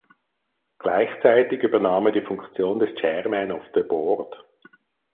Gleichzeitig übernahm er die Funktion des Chairman of the Board.